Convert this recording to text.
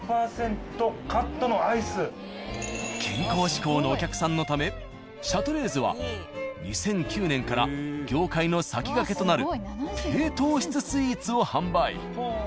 健康志向のお客さんのため「シャトレーゼ」は２００９年から業界の先駆けとなる低糖質スイーツを販売。